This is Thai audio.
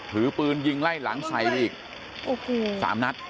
ถือปืนยิงไล่หลังไซลีกสามนัด